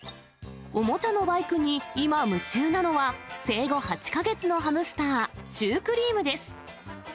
おもちゃのバイクに今、夢中なのは、生後８か月のハムスター、シュークリームです。